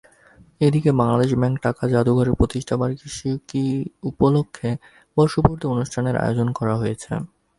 এদিকে বাংলাদেশ ব্যাংক টাকা জাদুঘরের প্রতিষ্ঠাবার্ষিকী উপলক্ষে বর্ষপূতি অনুষ্ঠানের আয়োজন করা হয়েছে।